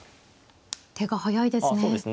手が速いですね。